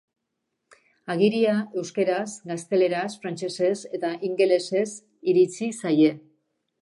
Agiria euskaraz, gazteleraz, frantsesez eta ingelesez iritsi zaie.